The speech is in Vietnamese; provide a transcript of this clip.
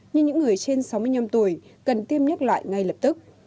như những người trên sáu mươi năm tuổi cần tiêm nhắc lại ngay lập tức